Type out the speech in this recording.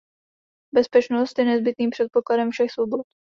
Bezpečnost je nezbytným předpokladem všech svobod.